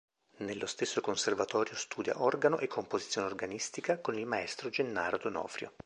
Nello stesso conservatorio studia Organo e Composizione organistica con il Maestro Gennaro D’Onofrio.